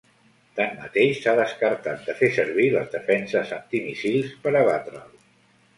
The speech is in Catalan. Tanmateix, s’ha descartat de fer servir les defenses antimíssils per abatre’l.